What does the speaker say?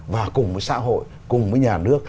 và cùng với xã hội cùng với nhà nước